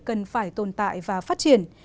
cần phải tồn tại và phát triển